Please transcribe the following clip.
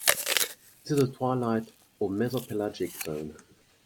This is the twilight or mesopelagic zone.